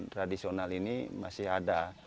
tradisional ini masih ada